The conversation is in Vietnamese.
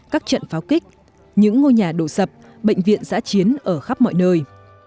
các trận pháo kích những ngôi nhà đổ sập bệnh viện giã chiến ở khắp mọi nơi